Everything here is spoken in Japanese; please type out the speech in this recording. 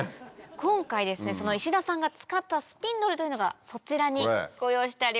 今回ですね石田さんが使ったスピンドルというのがそちらにご用意してあります。